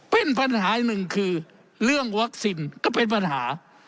เป็นปัญหาหนึ่งคือเรื่องวัคซีนก็เป็นปัญหา